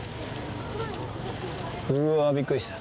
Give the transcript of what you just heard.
うわびっくりした。